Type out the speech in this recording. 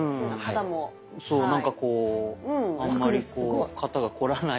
そうなんかこうあんまり肩が凝らない。